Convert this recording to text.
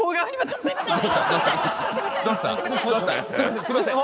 すいません